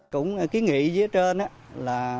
cũng ký nghị dưới trên là